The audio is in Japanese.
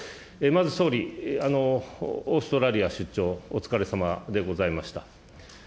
まず総理、オーストラリア出張、お疲れさまでございました。